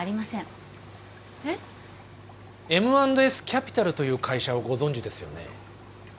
Ｍ＆Ｓキャピタルという会社をご存じですよね？